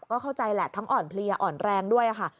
ก็เข้าใจแหละทั้งอ่อนเพลียอ่อนแรงด้วยค่ะ